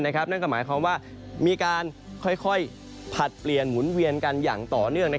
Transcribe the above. นั่นก็หมายความว่ามีการค่อยผลัดเปลี่ยนหมุนเวียนกันอย่างต่อเนื่อง